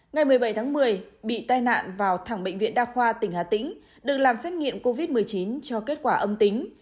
ngày một mươi bảy tháng một mươi bị tai nạn vào thẳng bệnh viện đa khoa tỉnh hà tĩnh được làm xét nghiệm covid một mươi chín cho kết quả âm tính